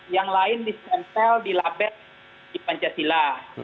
yang lain disempel di laber di pancasila